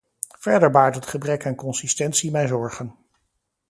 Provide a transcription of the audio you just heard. Verder baart het gebrek aan consistentie mij zorgen.